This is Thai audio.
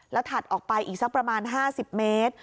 ถัดออกไปอีกสักประมาณ๕๐เมตร